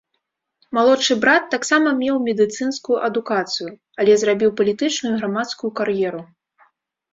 Малодшы брат таксама меў медыцынскую адукацыю, але зрабіў палітычную і грамадскую кар'еру.